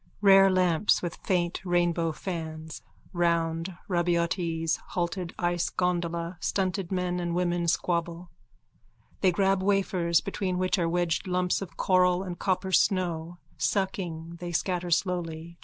Rare lamps with faint rainbow fans. Round Rabaiotti's halted ice gondola stunted men and women squabble. They grab wafers between which are wedged lumps of coral and copper snow. Sucking, they scatter slowly.